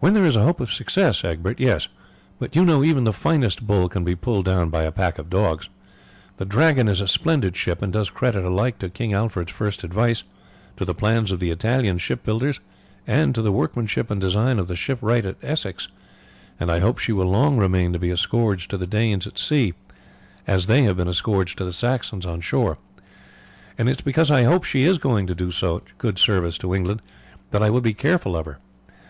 "When there is a hope of success, Egbert, yes; but you know even the finest bull can be pulled down by a pack of dogs. The Dragon is a splendid ship, and does credit alike to King Alfred's first advice, to the plans of the Italian shipbuilders, and to the workmanship and design of the shipwright of Exeter, and I hope she will long remain to be a scourge to the Danes at sea as they have been a scourge to the Saxons on shore; and it is because I hope she is going to do such good service to England that I would be careful of her.